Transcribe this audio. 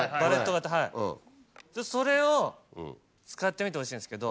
それを使ってみてほしいんですけど。